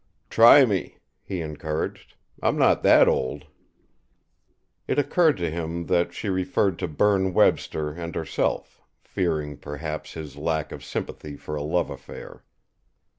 "Try me," he encouraged. "I'm not that old!" It occurred to him that she referred to Berne Webster and herself, fearing, perhaps, his lack of sympathy for a love affair.